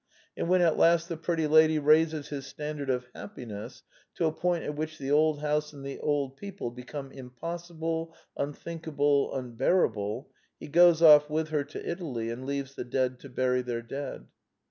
And when at last the pretty lady raises his standard of happiness to a point at which the old house and the old people become impossible, unthinkable, unbearable, he goes off with her to Italy and leaves the dead to bury their dead.